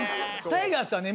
タイガースはね